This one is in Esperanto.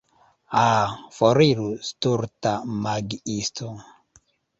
Ah, foriru stulta magiisto.